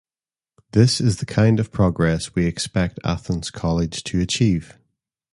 This is the kind of progress we expect Athens College to achieve.